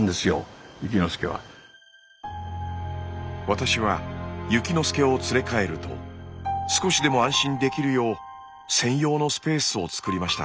私はゆきのすけを連れ帰ると少しでも安心できるよう専用のスペースを作りました。